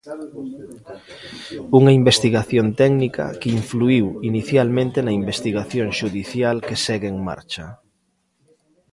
Unha investigación técnica que influíu inicialmente na investigación xudicial que segue en marcha.